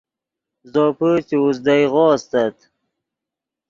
زوپے چے اوزدئیغو استت